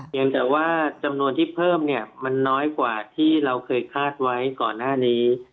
ยังแต่ว่าจำนวนที่เพิ่มเนี่ยมันน้อยกว่าที่เราเคยคาดไว้ก่อนหน้านี้